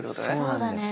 そうだね。